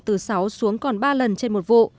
từ sáu xuống còn ba lần trên một vụ